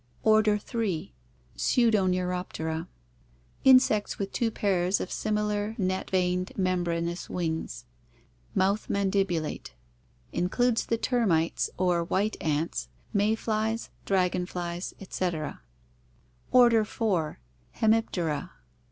Order 3. Pseudoneuroptera. Insects with two pairs of similar, net veined, membranous wings. Mouth mandibulate. Includes the termites or "white ants," May flies, dragon flies, etc. Order 4. Hemiptera.